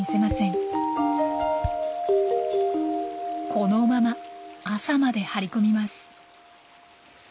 このまま朝まで張り込みます。